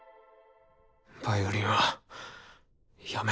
ヴァイオリンはやめたんだ。